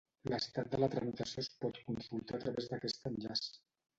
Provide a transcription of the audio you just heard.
L'estat de la tramitació es pot consultar a través d'aquest enllaç.